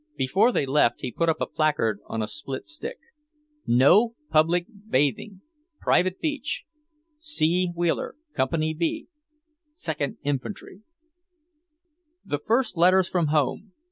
Before they left he put up a placard on a split stick. No Public Bathing!! Private Beach C. Wheeler, Co. B. 2 th Inf'ty. .......... The first letters from home!